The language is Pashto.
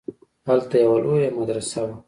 هلته يوه لويه مدرسه وه.